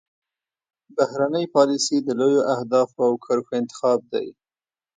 بهرنۍ پالیسي د لویو اهدافو او کرښو انتخاب دی